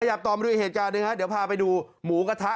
อยากต่อมาดูอีกเหตุการณ์หนึ่งฮะเดี๋ยวพาไปดูหมูกระทะ